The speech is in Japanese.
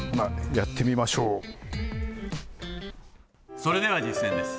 それでは実践です。